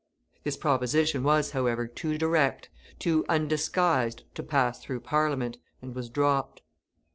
This proposition was, however, too direct, too undisguised to pass through Parliament, and was dropped.